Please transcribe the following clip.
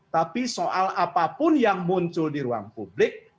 tapi soal apapun yang muncul di ruang publik